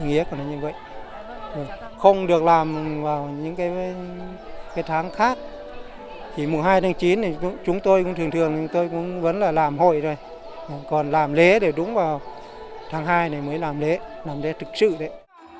nghĩa của nó như vậy không được làm vào những cái tháng khác thì mùa hai tháng chín chúng tôi cũng thường thường vẫn là làm hội rồi còn làm lễ đúng vào tháng hai mới làm lễ làm lễ thực sự đấy